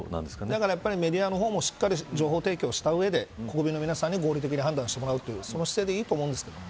だから、やっぱりメディアの方もしっかり状況を提供した上で国民の皆さんに合理的判断をしてもらうという姿勢でいいと思います。